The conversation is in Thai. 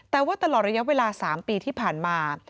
แต่ว่าตลอดระยะเวลา๓ปีที่ผ่านมา